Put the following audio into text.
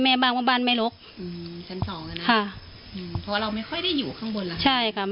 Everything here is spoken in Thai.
เพราะบ้านไม่ลบเพราะที่เราไม่ค่อยได้อยู่ข้างบน